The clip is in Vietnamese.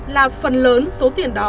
là phần lớn số tiền đó